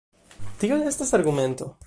Tio ne estas argumento.